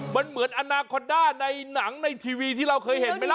มันเหมือนอนาคอนด้าในหนังในทีวีที่เราเคยเห็นไหมล่ะ